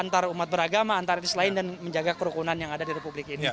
antara umat beragama antara etis lain dan menjaga kerukunan yang ada di republik ini